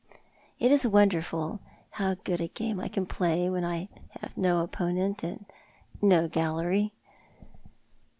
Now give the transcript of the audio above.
It is wonderful how good a game I can play when I have no opponent and no gallery.